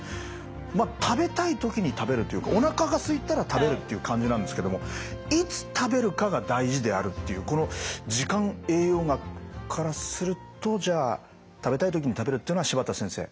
まあ食べたい時に食べるというかおなかがすいたら食べるという感じなんですけども「いつ食べるかが大事である」というこの時間栄養学からするとじゃあ食べたい時に食べるっていうのは柴田先生